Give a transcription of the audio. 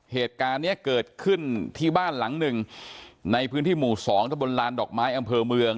เหตุการณ์เนี้ยเกิดขึ้นที่บ้านหลังหนึ่งในพื้นที่หมู่สองตะบนลานดอกไม้อำเภอเมือง